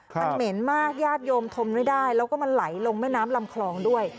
มันเหม็นมากญาติโยมทมไม่ได้แล้วก็มันไหลลงแม่น้ำลำคลองด้วย